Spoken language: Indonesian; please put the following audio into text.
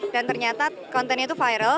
dan ternyata kontennya itu viral